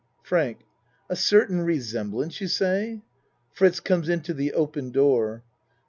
FRANK A certain resemblance you say? (Fritz comes into the open door.)